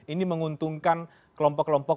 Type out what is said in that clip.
ini menguntungkan kelompok kelompok